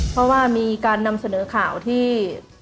เพราะว่ามีการนำเสนอข่าวที่